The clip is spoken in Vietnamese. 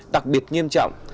tặc biệt nghiêm trọng